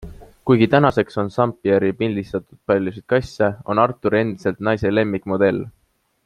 Kuigi tänaseks on Zampieri pildistanud paljusid kasse, on Arthur endiselt naise lemmikmodell.